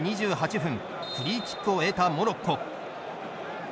２８分フリーキックを得たモロッコ。